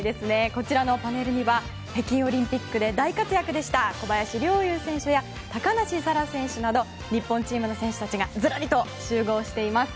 こちらのパネルには北京オリンピックで大活躍でした小林陵侑選手や高梨沙羅選手など日本チームの選手たちがずらりと集合しています。